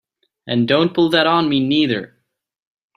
And don't pull that on me neither!